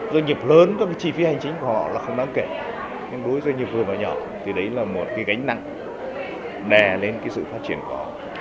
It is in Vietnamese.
doanh nghiệp lớn các cái chi phí hành chính của họ là không đáng kể nhưng đối với doanh nghiệp vừa và nhỏ thì đấy là một cái gánh nặng đè lên cái sự phát triển của họ